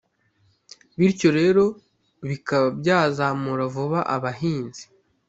bityo rero bikaba byazamura vuba abahinzi.